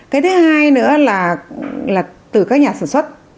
cái thứ hai nữa là từ các nhà sản xuất